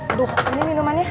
aduh ini minumannya